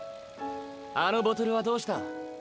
あのボトルはどうした？